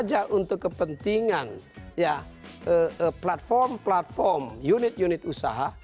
tidak untuk kepentingan ya platform platform unit unit usaha